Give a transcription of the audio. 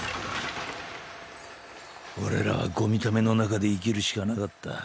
俺らはゴミ溜めの中で生きるしかなかった。